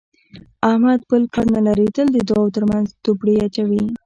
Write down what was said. احمد بل کار نه لري، تل د دوو ترمنځ دوپړې اچوي.